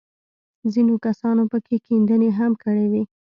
ځينو کسانو پکښې کيندنې هم کړې وې.